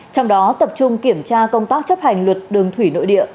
trong đó tập trung kiểm tra công tác chấp hành luật đường thủy nội địa